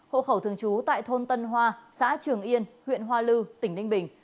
hộ khẩu thường trú tại thôn tân hoa xã trường yên huyện hoa lư tỉnh ninh bình